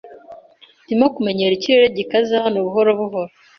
Ndimo kumenyera ikirere gikaze hano buhoro buhoro.